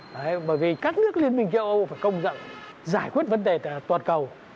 đấy bởi vì các nước liên minh châu âu phải công dặn giải quyết vấn đề toàn cầu